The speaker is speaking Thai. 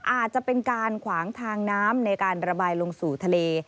อาจจะเป็นการขวางทางน้ำในการระบายลงสู่ทะเล